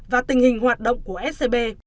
và tình hình hoạt động của scb